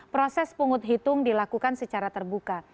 proses pungut hitung dilakukan secara terbuka